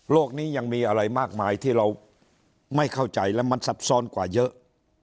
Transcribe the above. นี้ยังมีอะไรมากมายที่เราไม่เข้าใจและมันซับซ้อนกว่าเยอะ